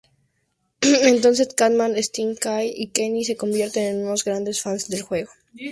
Entonces Cartman, Stan, Kyle y Kenny se convierten en unos grandes fans del juego.